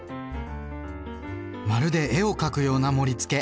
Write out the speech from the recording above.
まるで絵を描くような盛り付け。